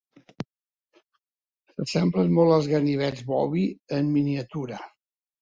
S'assemblen molt als ganivets Bowie en miniatura.